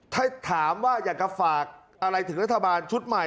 ถ้าถามว่าอยากจะฝากอะไรถึงรัฐบาลชุดใหม่